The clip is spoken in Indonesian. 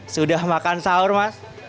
sudah makan sahur mas